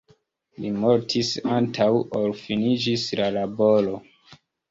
Li mortis antaŭ ol finiĝis la laboro.